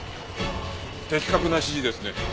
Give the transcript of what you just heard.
的確な指示ですね。